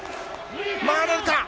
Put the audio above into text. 回れるか？